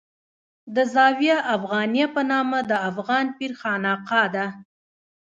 د زاویه افغانیه په نامه د افغان پیر خانقاه ده.